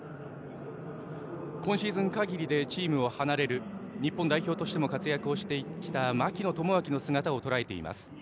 今シーズン限りでチームを離れる日本代表としても活躍してきた槙野智章の姿です。